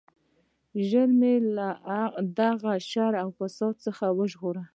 ژر مو له دغه شر او فساد څخه وژغورئ.